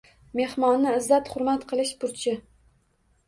Mehmonni izzat-hurmat qilish burchi.